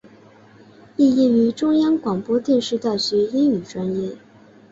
毕业于中央广播电视大学英语专业。